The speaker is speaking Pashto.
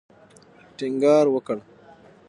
ټینګار وکړ.